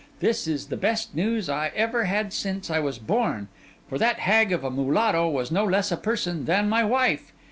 This is the best news I ever had since I was born; for that hag of a mulatto was no less a person than my wife.